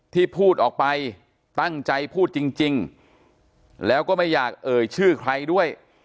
ที่พูดออกไปตั้งใจพูดจริงแล้วก็ไม่อยากเอ่ยชื่อใครด้วย